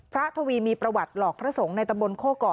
ทวีมีประวัติหลอกพระสงฆ์ในตำบลโคก่อ